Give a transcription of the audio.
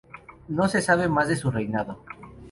No se sabe más de su reinado.